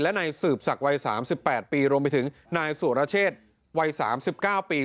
และนายสืบศักดิ์วัย๓๘ปีรวมไปถึงนายสุรเชษวัย๓๙ปี